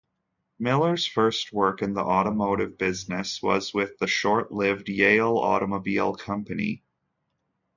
Miller's first work in the automotive business was with the short-lived Yale Automobile Company.